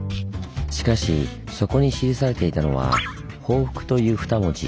しかしそこに記されていたのは「奉復」という２文字。